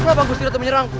kenapa kau tidak menyerangku